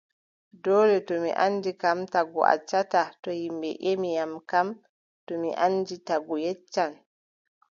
Doole to mi anndi kam, tagu yeccata, to ƴimɓe ƴemi kam to mi anndi, tagu yeccan.